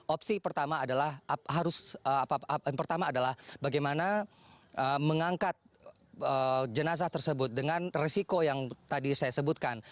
opsi pertama adalah bagaimana mengangkat jenazah tersebut dengan resiko yang tadi saya sebutkan